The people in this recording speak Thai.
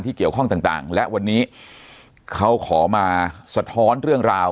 เกี่ยวข้องต่างและวันนี้เขาขอมาสะท้อนเรื่องราว